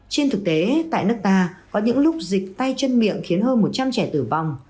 trên thực tế tại nước ta có những lúc dịch tay chân miệng khiến hơn một trăm linh trẻ tử vong